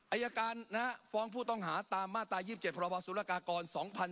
อายการฟ้องผู้ต้องหาตามมาตรา๒๗พบสุรกากร๒๕๕๙